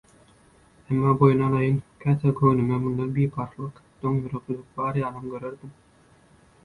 Emma boýun alaýyn, käte göwnüme munda biparhlyk, doňýüreklik bar ýalam görerdim.